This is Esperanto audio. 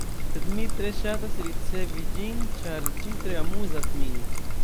Sed mi tre ŝatas recivi ĝin, ĉar ĝi tre amuzas min.